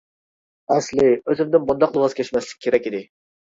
ئەسلى، ئۆزۈمدىن بۇنداقلا ۋاز كەچمەسلىك كېرەك ئىدى.